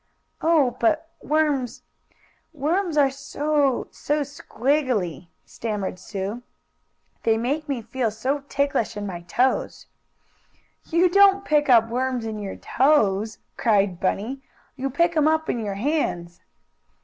"Oh, but worms worms are so so squiggily!" stammered Sue. "They make me feel so ticklish in my toes." "You don't pick up worms in your toes!" cried Bunny. "You pick 'em up in your hands!"